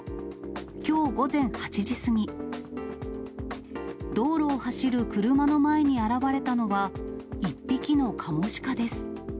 きょう午前８時過ぎ、道路を走る車の前に現れたのは、１匹のカモシカです。